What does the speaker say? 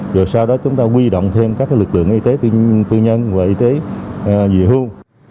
rồi sau đó chúng ta quy động thêm các lực lượng y tế tư nhân và y tế về hưu